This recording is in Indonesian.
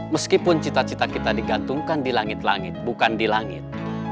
meskipun cita cita kita digantungkan di langit langit bukan di langit